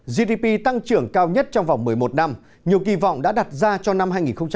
gdp tăng trưởng cao nhất trong vòng một mươi một năm nhiều kỳ vọng đã đặt ra cho năm hai nghìn một mươi tám